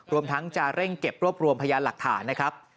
รวมทั้งจะเร่งเก็บรวบรวมพยานหลักฐานนะครับ